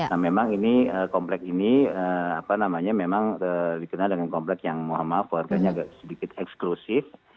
nah memang ini komplek ini apa namanya memang dikenal dengan komplek yang mohon maaf warganya agak sedikit eksklusif